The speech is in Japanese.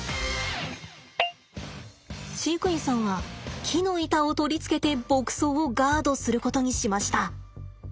飼育員さんは木の板を取り付けて牧草をガードすることにしました。